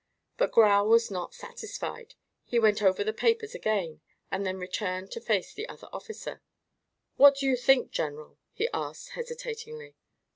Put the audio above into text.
But Grau was not satisfied. He went over the papers again and then turned to face the other officer. "What do you think, General?" he asked, hesitatingly.